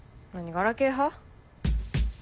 ガラケー派？